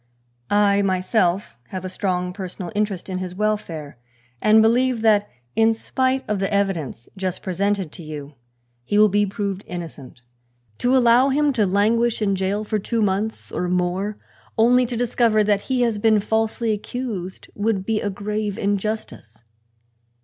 I myself have a strong personal interest in his welfare and believe that in spite of the evidence just presented to you he will be proved innocent. To allow him to languish in jail for two months or more, only to discover that he has been falsely accused, would be a grave injustice.